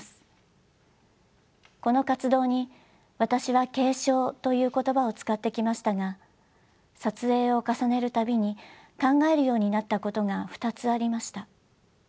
この活動に私は「継承」という言葉を使ってきましたが撮影を重ねる度に考えるようになったことが２つありました。